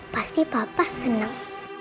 pasti bapak seneng